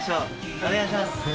お願いします。